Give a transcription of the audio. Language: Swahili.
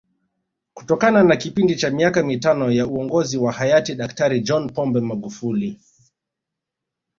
Kutokana na kipindi cha miaka mitano ya Uongozi wa Hayati Daktari John Pombe Magufuli